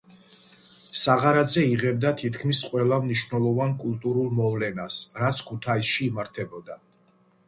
საღარაძე იღებდა თითქმის ყველა მნიშვნელოვან კულტურულ მოვლენას, რაც ქუთაისში იმართებოდა.